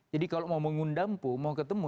jadi kalau mau mengundampu mau ketemu